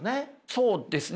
そうですね。